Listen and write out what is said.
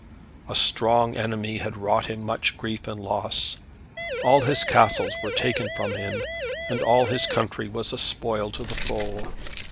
A strong enemy had wrought him much grief and loss. All his castles were taken from him, and all his country was a spoil to the foe.